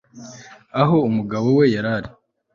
aho umugabo we yari ari